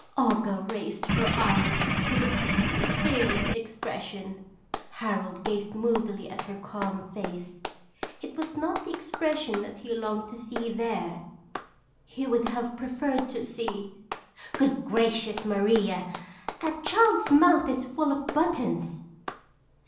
"Olga raised her eyes with a sweetly serious expression. Harold gazed moodily at her calm face. It was not the expression that he longed to see there. He would have preferred to see " Good gracious, Maria! That child's mouth is full of buttons!